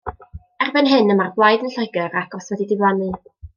Erbyn hyn y mae'r Blaid yn Lloegr agos wedi diflannu.